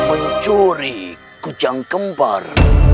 mencuri kujang kembar